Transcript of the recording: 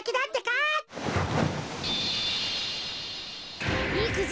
いくぞ！